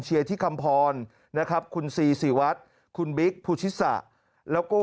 เชียร์ที่คำพรนะครับคุณซีสิวัตรคุณบิ๊กภูชิษฎะแล้วก็